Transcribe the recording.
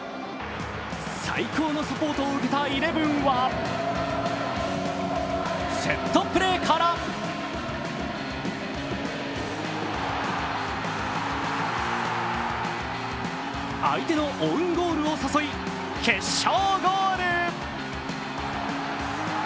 最高のサポートを受けたイレブンはセットプレーから相手のオウンゴールを誘い、決勝ゴール。